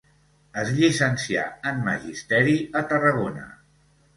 Es llicencià en magisteri a Tarragona.